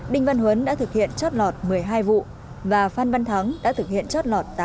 đinh văn huấn đã thực hiện chót lọt một mươi hai vụ và phan văn thắng đã thực hiện chót lọt